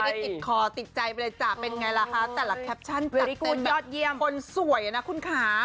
ไม่ได้ติดคอติดใจไปเลยจ้ะเป็นไงล่ะค่ะแต่ละแคปชั่นตัดเต็มแบบคนสวยนะคุณคะ